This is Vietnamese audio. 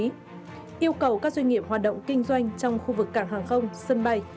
yêu cầu các doanh nghiệp hoạt động kinh doanh trong khu vực cảng hàng không sân bay